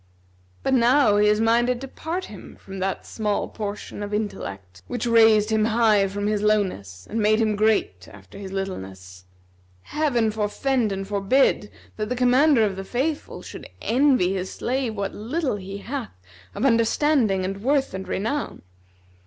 But now he is minded to part him from that small portion of intellect which raised him high from his lowness and made him great after his littleness. Heaven forfend and forbid that the Commander of the Faithful should envy his slave what little he hath of understanding and worth and renown!